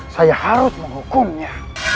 saya harus menghukumnya